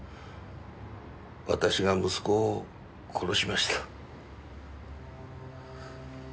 私が息子を殺しました。